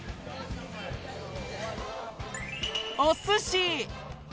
おすし！